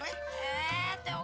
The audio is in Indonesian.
hei tio kak